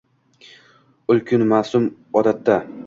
Ul kun mash’um odatga.